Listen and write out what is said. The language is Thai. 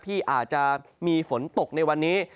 ที่อาจจะมีฝนตกในวันนี้